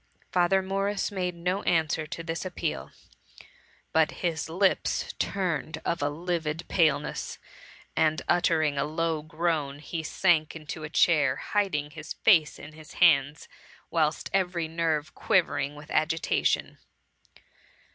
'^ Father Morris made no answer to this appeal, but his lips turned of a livid paleness, and ut tering a low groan, he sank into a chair, hiding his face in his hands, whilst every nerve qui vering with agitation.